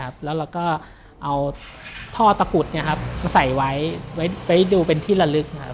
แล้วเราก็เอาท่อตะกุดมาใส่ไว้ดูเป็นที่ละลึกนะครับ